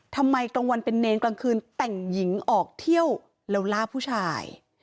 กลางวันเป็นเนรกลางคืนแต่งหญิงออกเที่ยวแล้วล่าผู้ชาย